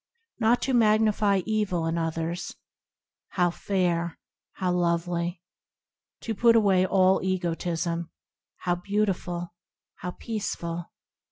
Not to magnify evil in others,– How fair ! How lovely ! To put away all egotism,– How beautiful! How peaceful